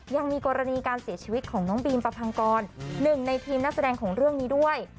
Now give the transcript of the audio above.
ยังมีกรณีการเสียชีวิตของน้องบีมประพังกร๑ในทีมนักแสดงของเรื่องนี้ด้วย